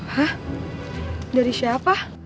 hah dari siapa